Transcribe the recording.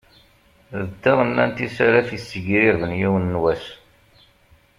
D taɣennant-is ara t-issegrirben yiwen n wass.